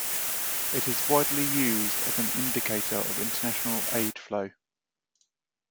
It is widely used as an indicator of international aid flow.